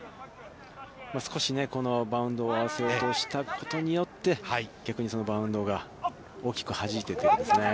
少しこのバウンドを合わせようとしたことによって、逆にそのバウンドが大きく弾いてということですね。